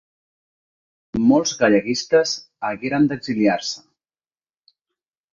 Molts galleguistes hagueren d'exiliar-se.